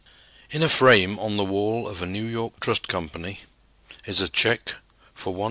In a frame on the wall of a New York trust company is a check for $171,981.